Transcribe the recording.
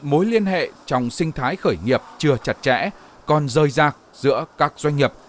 mối liên hệ trong sinh thái khởi nghiệp chưa chặt chẽ còn rơi rạc giữa các doanh nghiệp